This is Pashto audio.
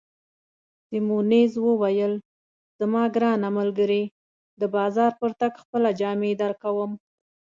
سیمونز وویل: زما ګرانه ملګرې، د بازار پر تګ خپله جامې درکوم.